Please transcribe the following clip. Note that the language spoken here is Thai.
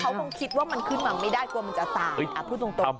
เขาคงคิดว่ามันขึ้นมาไม่ได้กลัวมันจะตายพูดตรง